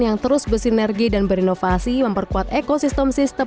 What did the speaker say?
yang terus bersinergi dan berinovasi memperkuat ekosistem sistem